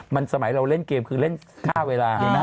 มันสมัยเราเล่นเกมคือเล่นค่าเวลา